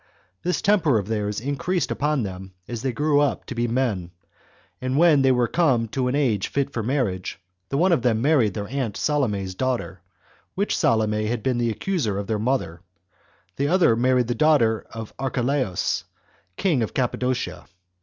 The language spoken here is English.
This temper of theirs increased upon them as they grew up to be men; and when they were Come to an age fit for marriage, the one of them married their aunt Salome's daughter, which Salome had been the accuser of their mother; the other married the daughter of Archelaus, king of Cappadocia.